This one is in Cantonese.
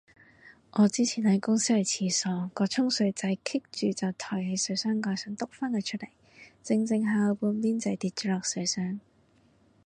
我之前喺公司去廁所，個沖水掣棘住就抬起水箱蓋想篤返佢出嚟，整整下有半邊掣跌咗落水箱